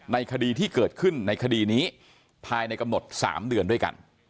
คดีที่เกิดขึ้นในคดีนี้ภายในกำหนด๓เดือนด้วยกัน